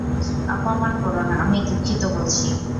অপমান করো না, আমি দুঃখিত বলছি।